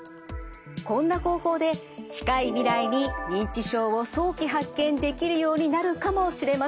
こんな方法で近い未来に認知症を早期発見できるようになるかもしれません。